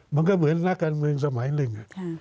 มันก็เหมือนนักการเมืองสมัยหนึ่ง